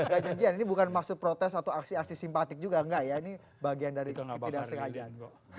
enggak janjian ini bukan maksud protes atau aksi aksi simpatik juga enggak ya ini bagian dari ketidaksengajaan